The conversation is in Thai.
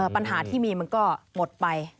ปัญหาที่มีมันก็หมดไป